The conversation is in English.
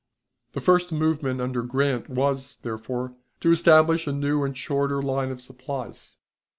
The first movement under Grant was, therefore, to establish a new and shorter line of supplies.